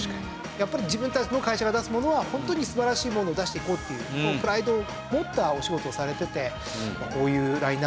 やっぱり自分たちの会社が出すものはホントに素晴らしいものを出していこうっていうプライドを持ったお仕事をされててこういうラインアップになったのかなと思いますね。